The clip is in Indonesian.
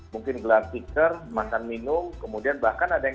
mungkin gelar stiker makan minum kemudian bahkan ada yang